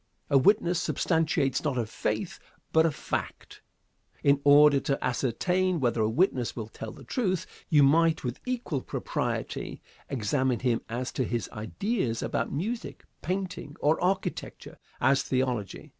A witness substantiates not a faith, but a fact. In order to ascertain whether a witness will tell the truth, you might with equal propriety examine him as to his ideas about music, painting or architecture, as theology.